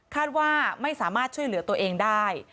คาดว่าไม่สมาช่วยเผลอตัวเองได้